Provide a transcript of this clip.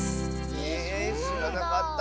へえしらなかった。